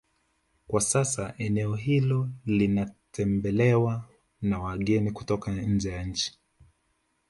Kwa sasa eneo hilo linatembelewa na wageni kutoka nje ya nchi